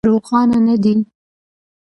روښانه نه دي.